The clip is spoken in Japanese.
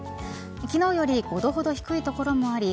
昨日より５度ほど低い所もあり